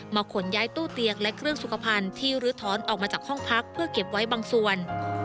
ขนย้ายตู้เตียงและเครื่องสุขภัณฑ์ที่ลื้อถอนออกมาจากห้องพักเพื่อเก็บไว้บางส่วน